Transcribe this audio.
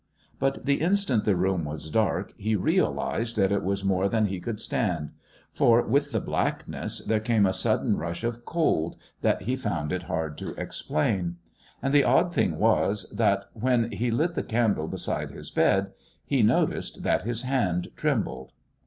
But the instant the room was dark he realised that it was more than he could stand; for, with the blackness, there came a sudden rush of cold that he found it hard to explain. And the odd thing was that, when he lit the candle beside his bed, he noticed that his hand trembled.